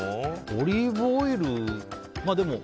オリーブオイル。